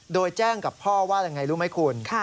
โดยแจ้งกับพ่อว่าอย่างไรรู้ไหมคุณ